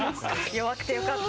弱くてよかった。